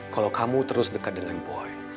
kalau kamu terus dekat dengan boy